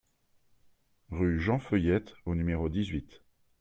Rue Jean Feuillette au numéro dix-huit